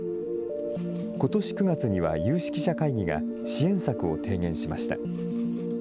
ことし９月には有識者会議が支援策を提言しました。